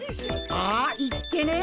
あっいっけねえ！